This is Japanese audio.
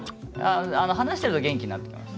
話してると元気になってきます。